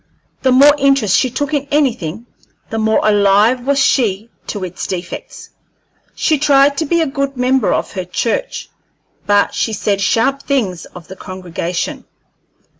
The more interest she took in anything, the more alive was she to its defects. She tried to be a good member of her church, but she said sharp things of the congregation.